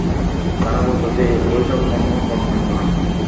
তারা বলত যে, এ-সব কর্ম কর্মই নয়।